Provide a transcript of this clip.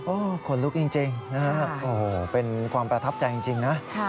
โอ้โหขนลุกจริงนะฮะโอ้โหเป็นความประทับใจจริงนะ